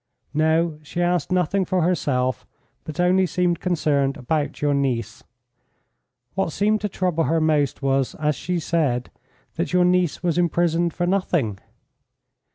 "No, she asked nothing for herself, but only seemed concerned about your niece. What seemed to trouble her most was, as she said, that your niece was imprisoned for nothing."